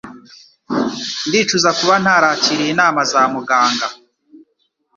Ndicuza kuba ntarakiriye inama za muganga.